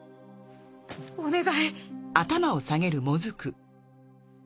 お願い。